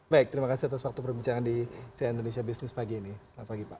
baik terima kasih atas waktu perbincangan di cn indonesia business pagi ini selamat pagi pak